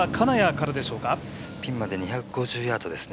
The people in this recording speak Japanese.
ピンまで２５０ヤードですね。